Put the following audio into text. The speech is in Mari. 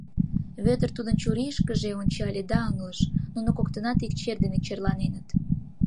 Вӧдыр тудын чурийышкыже ончале да ыҥлыш: нуно коктынат ик чер дене черланеныт.